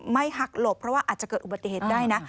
ไม่หักหลบเพราะว่าอาจจะเกิดอุบัติเหตุได้นะ